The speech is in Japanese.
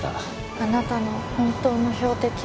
あなたの本当の標的は。